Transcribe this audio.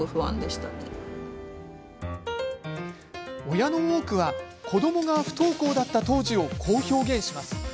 親の多くは子どもが不登校だった当時をこう表現します。